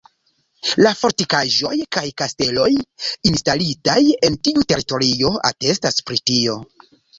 La fortikaĵoj kaj kasteloj instalitaj en tiu teritorio atestas pri tio.